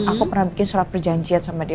aku pernah bikin surat perjanjian sama dia